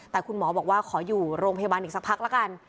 แต่คุณหมอบอกว่าขออยู่โรงพยาบาลอีกสักพักละกัน